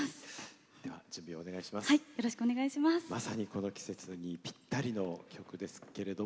まさに、この季節にぴったりの曲ですが。